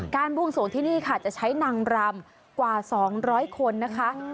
บวงสวงที่นี่ค่ะจะใช้นางรำกว่า๒๐๐คนนะคะ